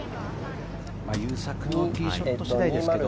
優作のティーショット次第ですけど。